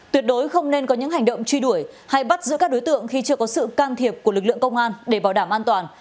tuyệt đối không nên có những hành động truy đuổi hay bắt giữ các đối tượng khi chưa có sự can thiệp của lực lượng công an để bảo đảm an toàn